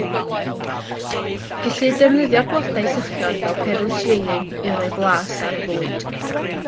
Gellir defnyddio'r blodau sychion fel perlysieuyn i roi blas ar fwyd.